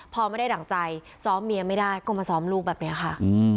พอไม่ได้ดั่งใจซ้อมเมียไม่ได้ก็มาซ้อมลูกแบบนี้ค่ะ